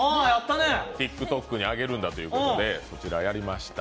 ＴｉｋＴｏｋにあげるんだということでこちらやりました。